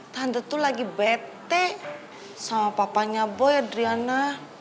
tante tuh lagi bete sama papanya boy adriana